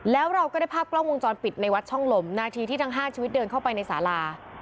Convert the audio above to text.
แล้วเราก็ได้ภาพกล้องวงจรปิดในวัดช่องลมนาทีที่ทั้ง๕ชีวิตเดินเข้าไปในสารา